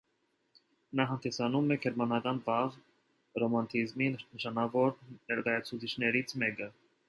Նա հանդիսանում է գերմանական վաղ ռոմանտիզմի նշանավոր ներկայացուցիչներից մեկը։